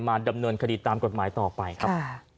ดำเนินคดีตามกฎหมายต่อไปครับ